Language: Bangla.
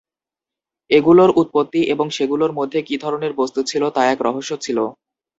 এগুলোর উৎপত্তি এবং সেগুলোর মধ্যে কী ধরনের বস্তু ছিল, তা এক রহস্য ছিল।